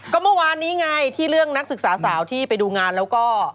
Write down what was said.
ก็เมื่อวานนี้ไงที่เรื่องนักศึกษาสาวที่ไปดูงานแล้วก็